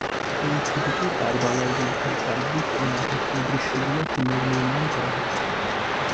এই ছবিতে কারবালার যুদ্ধের কাব্যিক ও নাটকীয় দৃশ্যগুলি পুনর্নির্মাণ করা হয়েছে।